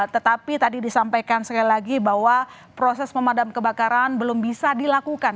tetapi tadi disampaikan sekali lagi bahwa proses memadam kebakaran belum bisa dilakukan